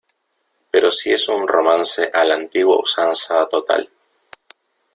pero si es un romance a la antigua usanza total.